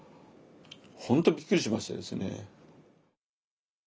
本当びっくりしましてですね。